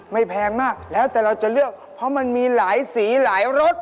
แพงมากแล้วแต่เราจะเลือกเพราะมันมีหลายสีหลายรส